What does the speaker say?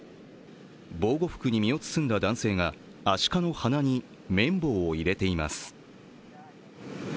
防護服に身を包んだ男性がアシカの鼻に綿棒を入れています。